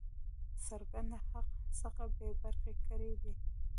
څرګند حق څخه بې برخي کړی دی.